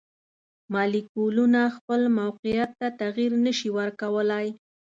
مالیکولونه خپل موقیعت ته تغیر نشي ورکولی.